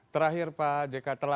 terakhir pak jeka